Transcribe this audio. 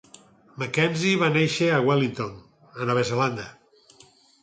McKenzie va néixer a Wellington, a Nova Zelanda.